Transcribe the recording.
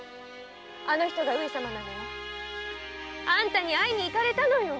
あの人が上様なのよ。あんたに会いに行かれたのよ！